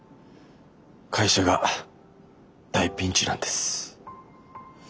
会社が大ピンチなんです。